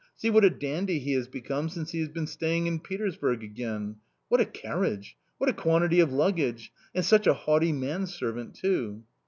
See what a dandy he has become since he has been staying in Petersburg again!... What a carriage!... What a quantity of luggage!... And such a haughty manservant too!"...